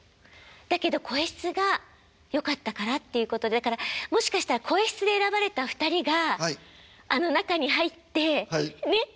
だけど声質がよかったからっていうことでだからもしかしたら声質で選ばれた２人があの中に入ってねっ。